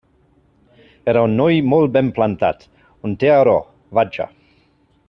Era un noi molt ben plantat, un tiarró, vaja.